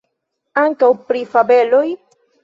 Ankaŭ pri fabeloj?